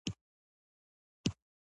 «طالبان» اصطلاح خاصه تاریخچه لري.